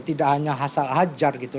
tidak hanya hasal hajar gitu